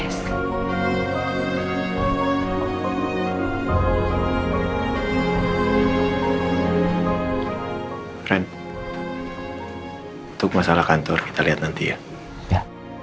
hai ren untuk masalah kantor kita lihat nanti ya ya